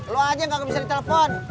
lo aja yang kagak bisa di telepon